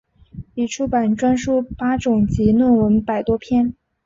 已出版专书八种及论文百多篇。